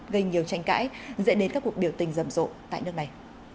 gây nhiều tranh cãi dẫn đến các cuộc biểu tình rầm rộ tại nước này